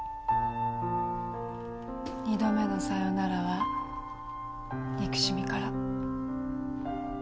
２度目の「さよなら」は憎しみから。